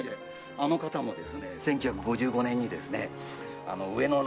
あの方もですね１９５５年にですね上野の。